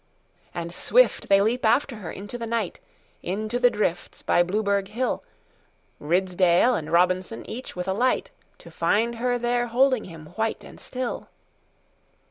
And swift they leap after her into the night, Into the drifts by Blueberg hill, Ridsdale and Robinson, each with a light, To find her there holding him white and still.